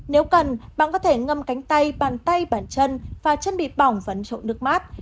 nếu cần bạn có thể ngâm cánh tay bàn tay bàn chân và chân bị bỏng vấn trộn nước mát